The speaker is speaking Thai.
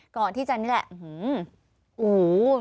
ก่อนที่จะนี่แหละโอ้โห